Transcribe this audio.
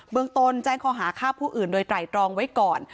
เมืองตนแจ้งข้อหาฆ่าผู้อื่นโดยไตรตรองไว้ก่อน